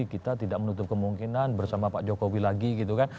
kita tidak menutup kemungkinan bersama pak jokowi lagi gitu kan